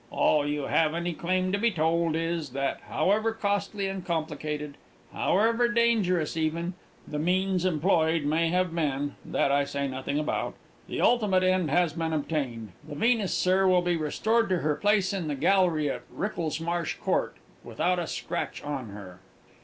All you have any claim to be told is, that, however costly and complicated, however dangerous even, the means employed may have been (that I say nothing about), the ultimate end has been obtained. The Venus, sir, will be restored to her place in the Gallery at Wricklesmarsh Court, without a scratch on her!"